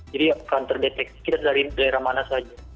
jadi akan terdeteksi kita dari daerah mana saja